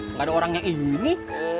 nggak ada orangnya ini